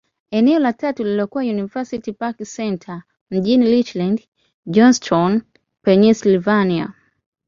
Eneo la tatu lililokuwa University Park Centre, mjini Richland, Johnstown, Pennyslvania.